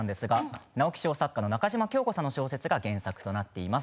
直木賞作家の中島京子さんの小説が原作となっています。